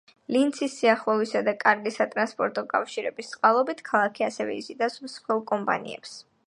ლინცის სიახლოვისა და კარგი სატრანსპორტო კავშირების წყალობით, ქალაქი ასევე იზიდავს მსხვილ კომპანიებს.